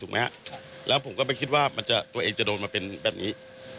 เขาคุยกับใครครับพี่